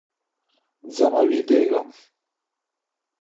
ځمه ويدېږم